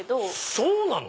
そうなの？